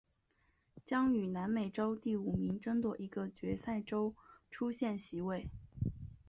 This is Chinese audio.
将与南美洲第五名争夺一个决赛周出线席位。